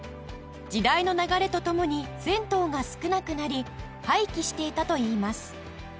時代の流れとともに銭湯が少なくなり廃棄していたといいます